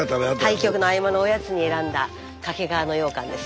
対局の合間のおやつに選んだ掛川のようかんです。